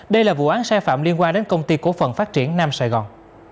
đây là vụ án sai phạm liên quan đến công ty cổ phần phát triển nam sài gòn